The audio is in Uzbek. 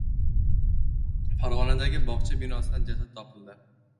Farg‘onadagi bog‘cha binosidan jasad topildi